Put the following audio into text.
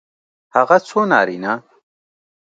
هغه څو نارینه